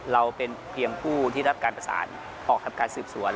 เราเป็นเพียงผู้ที่รับการประสานออกทำการสืบสวน